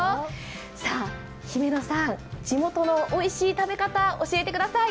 さぁ、姫野さん、地元のおいしい食べ方を教えてください。